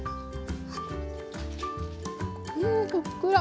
うんふっくら！